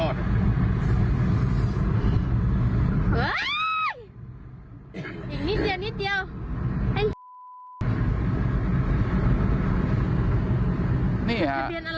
เห็นยังนิดเดี๋ยว